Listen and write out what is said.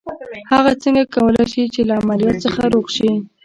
هغه څنګه کولای شي چې له عمليات څخه روغ شي.